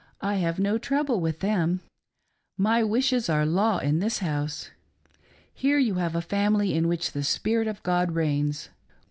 I have no trouble with them: my wishes are law in this house. Here you have ^ family in which the Spirit of God reigns.